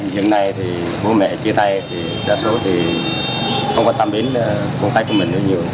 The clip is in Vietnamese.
hiện nay thì bố mẹ kia tay đa số thì không quan tâm đến phong cách của mình nữa nhiều